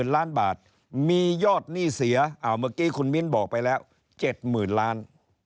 ล้านบาทมียอดหนี้เสียเมื่อกี้คุณมิ้นบอกไปแล้ว๗๐๐๐ล้าน